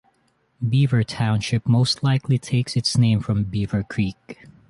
Beaver Township most likely takes its name from Beaver Creek.